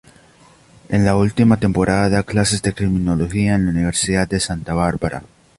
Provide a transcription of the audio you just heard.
En la última temporada da clases de criminología en la Universidad de Santa Bárbara.